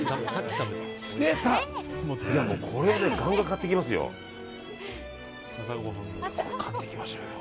これでガンガン買っていきますよ。